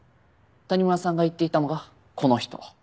谷村さんが言っていたのがこの人。